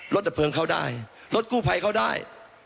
รถอัดเพลิงเข้าได้รถกู้ไพเข้าได้